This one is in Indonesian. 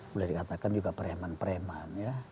boleh dikatakan juga preman preman ya